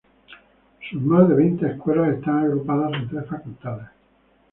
Sus más de veinte Escuelas están agrupadas en tres Facultades.